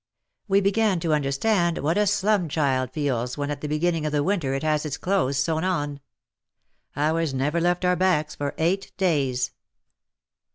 We began to understand what a slum child feels when at the beginning of the winter it has its clothes sewn on. Ours never left our backs for eight days.